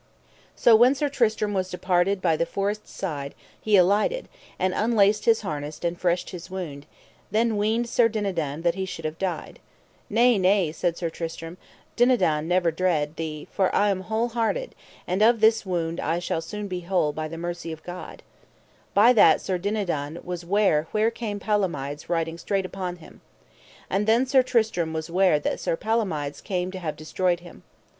So when Sir Tristram was departed by the forest's side he alighted, and unlaced his harness and freshed his wound; then weened Sir Dinadan that he should have died. Nay, nay, said Sir Tristram, Dinadan never dread thee, for I am heart whole, and of this wound I shall soon be whole, by the mercy of God. By that Sir Dinadan was ware where came Palomides riding straight upon them. And then Sir Tristram was ware that Sir Palomides came to have destroyed him.